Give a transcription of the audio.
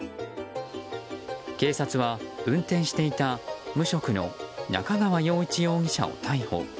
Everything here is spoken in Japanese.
警察は運転していた無職の中川洋一容疑者を逮捕。